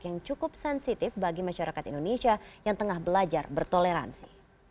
yang cukup sensitif bagi masyarakat indonesia yang tengah belajar bertoleransi